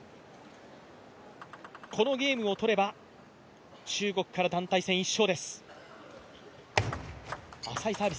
このゲームを取れば中国から団体戦１勝です。